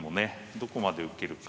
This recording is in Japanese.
どこまで受けるか。